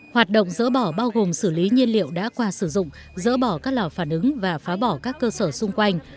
hoạt động dỡ bỏ bao gồm xử lý nhiên liệu đã qua sử dụng dỡ bỏ các lò phản ứng và phá bỏ các cơ sở xung quanh